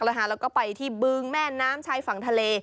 แล้วก็ไปที่บึงแม่น้ำชายฝั่งทะเล